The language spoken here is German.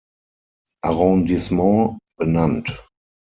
Arrondissement benannt.